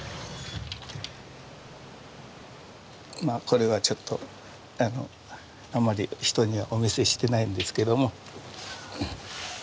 これはちょっとあまり人にはお見せしてないんですけども。